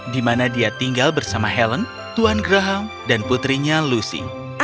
di mana dia tinggal bersama helen tuhan graham dan putrinya lucy